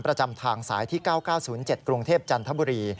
ประจำทางสายที่๙๙๐๗กรุงเทพจันทบุรี